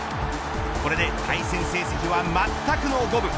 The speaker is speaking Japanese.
これで対戦成績はまったくの五分。